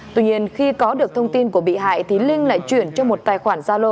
tuy nhiên khi có được thông tin của bị hại thì linh lại chuyển cho một tài khoản gia lô